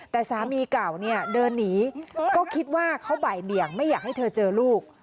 แต่สามีเก่าเนี่ยเดินหนีก็คิดว่าเขาบ่ายเบี่ยงไม่อยากให้เธอเจอลูก